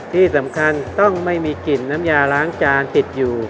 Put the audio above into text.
ที่สำคัญต้องไม่มีกลิ่นน้ำยาล้างจานติดอยู่